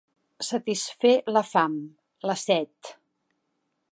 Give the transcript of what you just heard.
Satisfer la fam, la set.